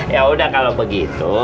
yaudah kalau begitu